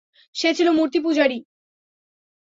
সে ছিল মূর্তিপূজারী।